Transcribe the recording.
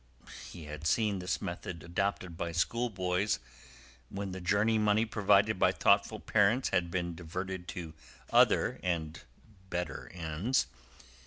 He had seen this method adopted by schoolboys, when the journey money provided by thoughtful parents had been diverted to other and better ends.